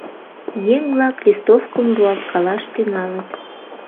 Еҥ-влак листовкым руалткалаш тӱҥалыт.